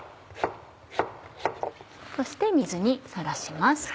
そして水にさらします。